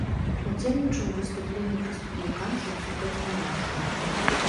Удзельнічаў у выступленнях рэспубліканцаў супраць манархіі.